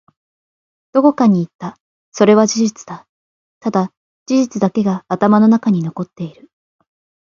どこかに行った。それは事実だ。ただ、事実だけが頭の中に残っている。